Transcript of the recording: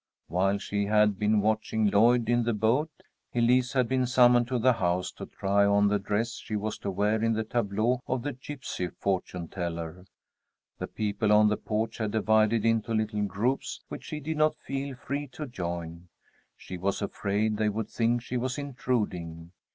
While she had been watching Lloyd in the boat, Elise had been summoned to the house to try on the dress she was to wear in the tableau of the gipsy fortune teller. The people on the porch had divided into little groups which she did not feel free to join. She was afraid they would think she was intruding.